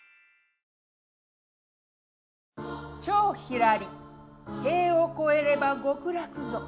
「蝶ひらり塀を越えれば極楽ぞ」。